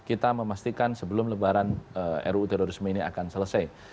kita memastikan sebelum lebaran ruu terorisme ini akan selesai